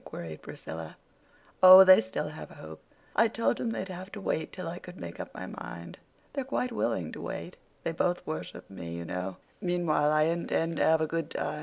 queried Priscilla. "Oh, they still have hope. I told them they'd have to wait till I could make up my mind. They're quite willing to wait. They both worship me, you know. Meanwhile, I intend to have a good time.